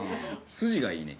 筋がいいね